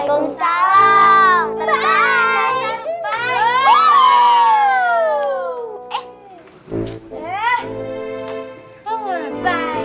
kuda mau nabai